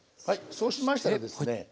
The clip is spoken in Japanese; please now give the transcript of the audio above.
そうしましたらですね